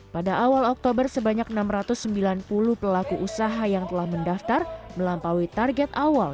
pada awal oktober sebanyak enam ratus sembilan puluh pelaku usaha yang telah mendaftar melampaui target awal